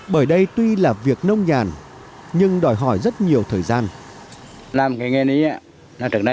bởi đây tuy là việc nông nhàn nhưng đòi hỏi rất nhiều thời gian